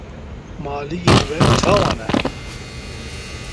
Maliyên we çawa ne?